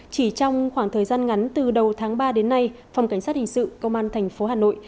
chỉ trong khoảng thời gian ngắn từ đầu tháng ba đến nay phòng cảnh sát hình sự công an tp hà nội